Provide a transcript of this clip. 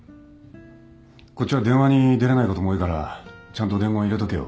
こっちは電話に出れないことも多いからちゃんと伝言入れとけよ。